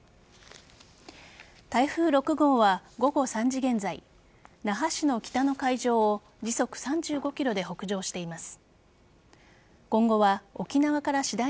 台風６号は午後３時現在那覇市の北の海上を時速３５キロで北上しています。